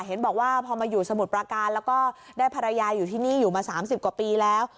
เห็นบอกว่าพอมาอยู่สมุทรประการแล้วก็ได้ภรรยาอยู่ที่นี่อยู่มา๓๐กว่าปีแล้ว